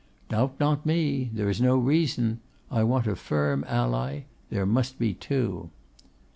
Doubt not me. There is no reason. I want a firm ally. There must be two.